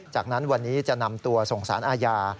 จากนั้นวันนี้จะนำตัวส่งสารอาญา